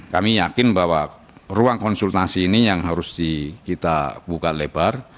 kami yakin bahwa ruang konsultasi ini yang harus kita buka lebar